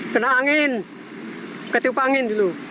kena angin ketupangin dulu